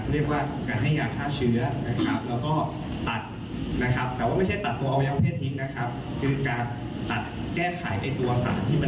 แต่ว่าไม่ใช่ตัดตัวอวัยวะเพศนี้นะครับก็จะตัดแก้ไขตัวสารที่จะใส่คลอมที่แท่เข้าไปในเนื้อ